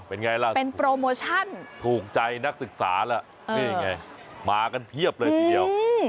เป็นไงล่ะเป็นโปรโมชั่นถูกใจนักศึกษาแล้วนี่ไงมากันเพียบเลยทีเดียว